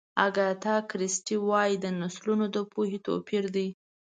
اګاتا کریسټي وایي د نسلونو د پوهې توپیر دی.